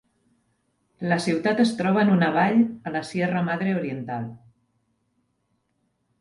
La ciutat es troba en una vall a la Sierra Madre Oriental.